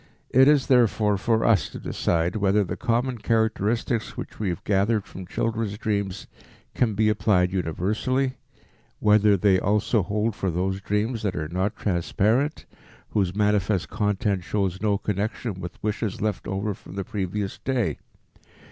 It is therefore for us to decide whether the common characteristics which we have gathered from children's dreams can be applied universally, whether they also hold for those dreams that are not transparent, whose manifest content shows no connection with wishes left over from the previous day.